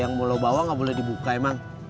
yang mollo bawang nggak boleh dibuka emang